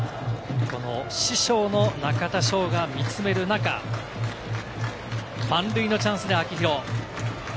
師匠の中田翔が見つめる中、満塁のチャンスで秋広。